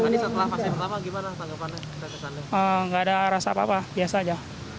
tidak ada rasa apa apa biasa aja